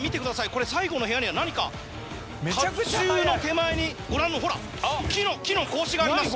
これ最後の部屋には何か甲冑の手前にご覧のほら木の格子があります。